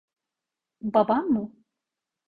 Baban mı?